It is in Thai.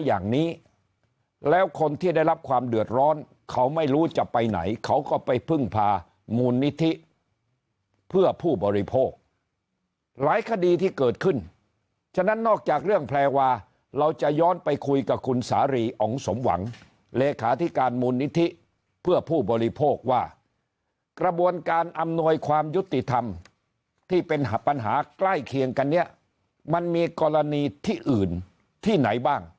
อย่างนี้แล้วคนที่ได้รับความเดือดร้อนเขาไม่รู้จะไปไหนเขาก็ไปพึ่งพามูลนิธิเพื่อผู้บริโภคหลายคดีที่เกิดขึ้นฉะนั้นนอกจากเรื่องแพรวาเราจะย้อนไปคุยกับคุณสารีอ๋องสมหวังเลขาธิการมูลนิธิเพื่อผู้บริโภคว่ากระบวนการอำนวยความยุติธรรมที่เป็นปัญหาใกล้เคียงกันเนี่ยมันมีกรณีที่อื่นที่ไหนบ้าง